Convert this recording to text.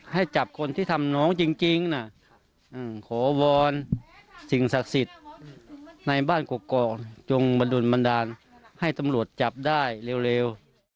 ให้จับคนที่ทำน้องจริงนะขอวอนสิ่งศักดิ์สิทธิ์ในบ้านกอกจงบดุลบันดาลให้ตำรวจจับได้เร็ว